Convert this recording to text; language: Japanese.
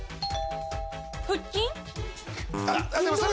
腹筋？